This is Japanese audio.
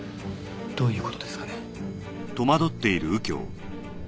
どういう事ですかね？